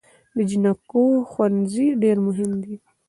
د جینکو ښوونځي ډیر مهم دی